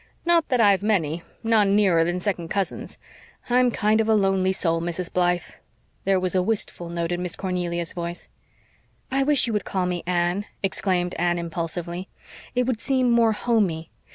Not that I've many none nearer than second cousins. I'm a kind of lonely soul, Mrs. Blythe." There was a wistful note in Miss Cornelia's voice. "I wish you would call me Anne," exclaimed Anne impulsively. "It would seem more HOMEY.